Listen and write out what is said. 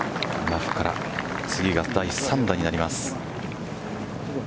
ラフから次が第３打になります。